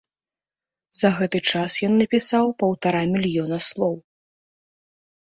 За гэты час ён напісаў паўтара мільёна слоў.